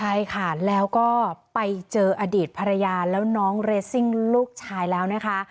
ใช่ค่ะแล้วก็ไปเจออดีตภรรยาแล้วน้องเรซิ่งลูกชายแล้วนะคะ